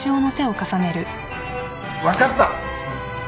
分かった！